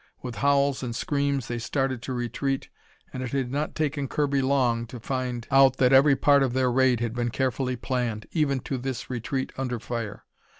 With howls and screams they started to retreat, and it had not taken Kirby long to find out that every part of their raid had been carefully planned, even to this retreat under fire.